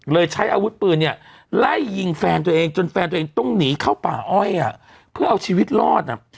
ใช้อาวุธปืนเนี่ยไล่ยิงแฟนตัวเองจนแฟนตัวเองต้องหนีเข้าป่าอ้อยเพื่อเอาชีวิตรอด